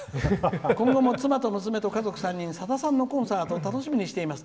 「今後も妻と娘と３人さださんのコンサート楽しみにしています。